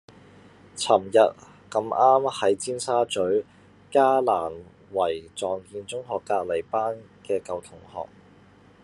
噚日咁啱喺尖沙咀嘉蘭圍撞見中學隔離班嘅舊同學